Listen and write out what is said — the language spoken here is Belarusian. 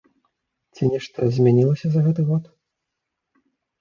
Ці нешта змянілася за гэты год?